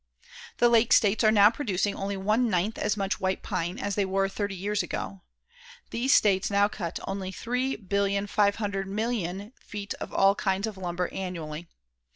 The Lake States are now producing only one ninth as much white pine as they were thirty years ago. These states now cut only 3,500,000,000 feet of all kinds of lumber annually.